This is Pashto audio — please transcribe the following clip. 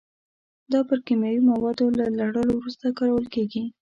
دا پر کیمیاوي موادو له لړلو وروسته کارول کېږي.